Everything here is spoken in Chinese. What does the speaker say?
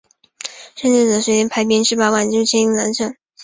黎圣宗随即决定派兵十八万入侵澜沧。